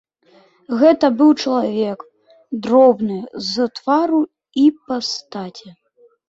Гэта быў чалавек, дробны з твару і постаці.